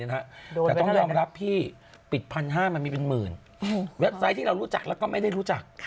แต่ต้องยอมรับพี่ปิด๑๕๐๐มันมีเป็นหมื่นเว็บไซต์ที่เรารู้จักแล้วก็ไม่ได้รู้จัก